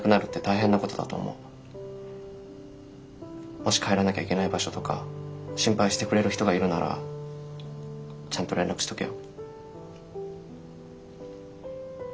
もし帰らなきゃいけない場所とか心配してくれる人がいるならちゃんと連絡しとけよ。